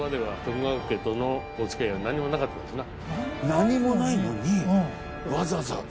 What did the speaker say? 何もないのに。